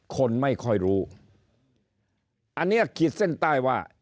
คนไม่ค่อยรู้อันนี้ขีดเส้นใต้ว่า